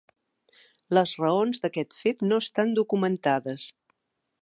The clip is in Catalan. Les raons d'aquest fet no estan documentades.